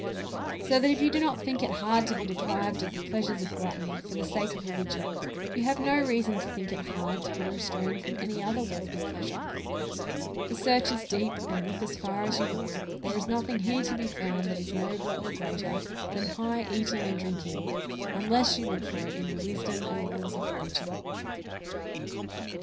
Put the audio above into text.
So that, if you do not think it hard to be deprived of the pleasures of gluttony for the sake of religion, you have no reason to think it hard to be restrained from any other worldly pleasure ; for search as deep, and look as far as you will, there is nothing here to be found that is nobler or greater than high eating and drinking, unless you look for it in the wisdom and laws of religion.